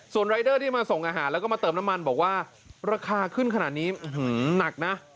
ส่วนรายเดอร์ที่มาส่งอาหารแล้วก็มาเติมน้ำมันบอกว่าราคาขึ้นขนาดนี้หนักนะ